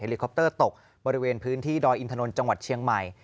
ลิคอปเตอร์ตกบริเวณพื้นที่ดอยอินทนนท์จังหวัดเชียงใหม่